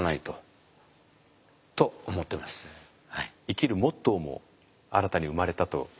生きるモットーも新たに生まれたと？